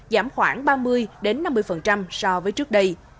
giảm khoảng ba mươi năm mươi so với trước đây